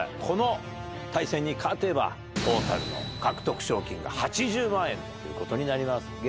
この対戦に勝てばトータルの獲得賞金が８０万円ということになります。